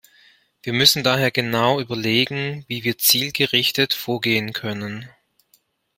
Wir müssen daher genau überlegen, wie wir zielgerichtet vorgehen können.